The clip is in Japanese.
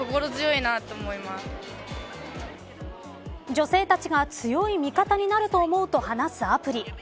女性たちが、強い味方になると思うと話すアプリ。